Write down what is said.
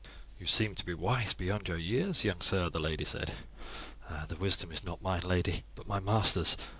"You seem to me to be wise beyond your years, young sir," the lady said. "The wisdom is not mine, lady, but my master's.